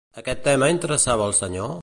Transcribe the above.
Aquest tema interessava al senyor?